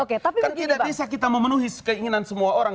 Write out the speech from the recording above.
kan tidak bisa kita memenuhi keinginan semua orang